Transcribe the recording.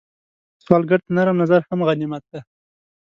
سوالګر ته نرم نظر هم غنیمت دی